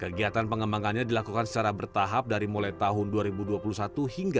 kegiatan pengembangannya dilakukan secara bertahap dari mulai tahun dua ribu dua puluh satu hingga dua ribu dua puluh